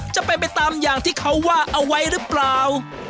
จะเป็นไปตามอย่างที่เขาว่าเอาไว้หรือเปล่า